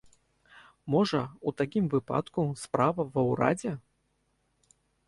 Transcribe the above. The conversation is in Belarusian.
Можа, у такім выпадку, справа ва ўрадзе?